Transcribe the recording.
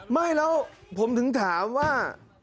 ไม่แล้วผมถึงถามว่า